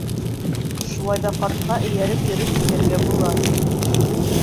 Шулай ҙа ҡартҡа эйәреп йөрөп килергә була.